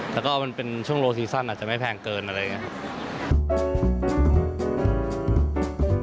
แล้วก็มันเป็นช่วงโลซีซั่นอาจจะไม่แพงเกินอะไรอย่างนี้ครับ